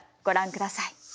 ご覧ください。